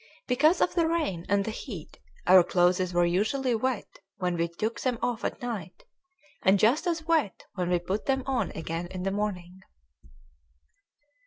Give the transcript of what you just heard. Because of the rain and the heat our clothes were usually wet when we took them off at night, and just as wet when we put them on again in the morning.